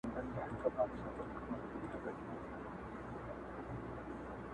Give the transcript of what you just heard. په تورونو کي سل ګونه تپېدله -